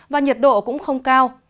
và nhiệt độ cũng không cao